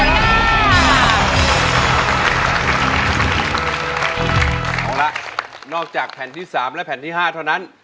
เอาละนอกจากแผ่นที่๓และแผ่นที่๕เท่านั้น